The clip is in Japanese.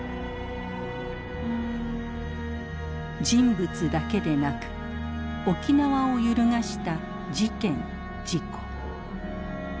人物だけでなく沖縄を揺るがした事件事故。